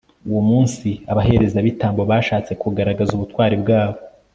uwo munsi, abaherezabitambo bashatse kugaragaza ubutwari bwabo